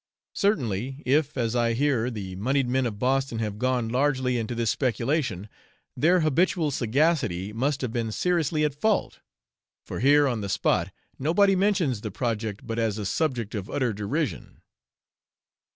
Certainly, if, as I hear the monied men of Boston have gone largely into this speculation, their habitual sagacity must have been seriously at fault; for here on the spot nobody mentions the project but as a subject of utter derision.